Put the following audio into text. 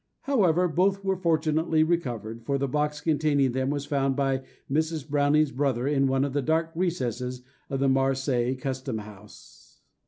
However, both were fortunately recovered, for the box containing them was found by Mrs. Browning's brother in one of the dark recesses of the Marseilles Custom House.